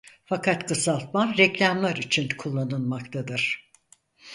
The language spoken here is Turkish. Fakat kısaltma reklamlar için kullanılmaktadır.